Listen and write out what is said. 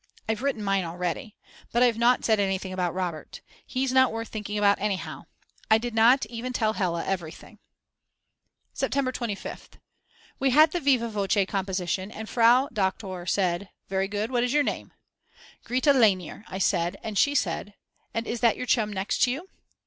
I've written mine already. But I've not said anything about Robert. He's not worth thinking about anyhow. I did not even tell Hella everything. September 25th. We had the viva voce composition and Frau Doktor said, very good, what is your name? Grete Lainer I said and she said: And is that your chum next you?